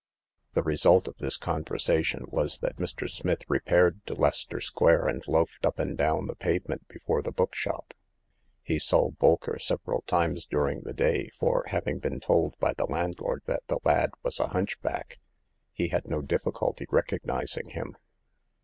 The result of this conversation was that Mr. Smith repaired to Leicester Square and loafed up and down the pavement before the book shop. He saw Bolker several times during the day ; for, having been told by the landlord that the lad was a hunchback, he had no difficulty recognizing him.